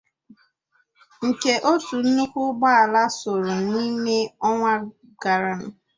nke otu nnukwu ụgbọala suru n'ime ọnwa gara